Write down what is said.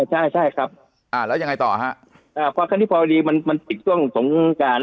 ใช่ครับแล้วยังไงต่อครับความค่อนข้างที่พอดีมันติดช่วงสงการ